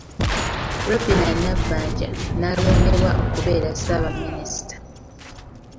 Robinah Nabbanja n’alondebwa okubeera Ssaabaminisita.